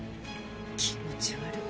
気持ち悪っ。